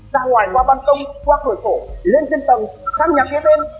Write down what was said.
ra ngoài qua ban công qua khởi cổ lên trên tầng sang nhà kia tên